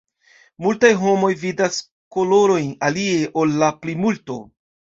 Multa homoj vidas kolorojn alie ol la plimulto.